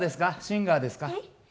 シンガーですか？